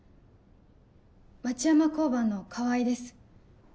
町山交番の川合です。